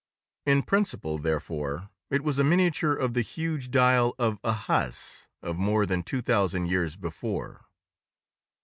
In principle, therefore, it was a miniature of the huge dial of Ahaz of more than two thousand years before.